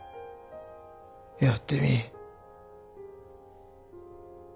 やってみい。